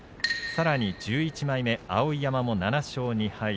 さらに１１枚目、碧山も７勝２敗。